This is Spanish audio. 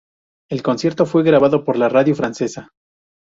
El concierto fue grabado por la Radio Francesa.